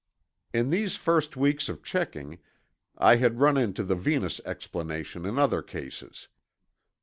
In these first weeks of checking, I had run onto the Venus explanation in other cases.